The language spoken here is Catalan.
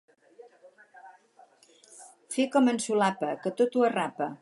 Fer com en Solapa, que tot ho arrapa.